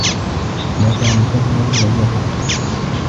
مكانك في هذه العيادة.